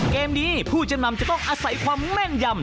เกมนี้ผู้จำนำจะต้องอาศัยความแม่นยำ